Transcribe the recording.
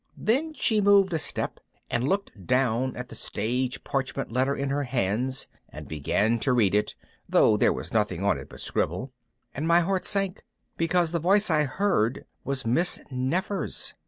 Then she moved a step and looked down at the stage parchment letter in her hands and began to read it, though there was nothing on it but scribble, and my heart sank because the voice I heard was Miss Nefer's.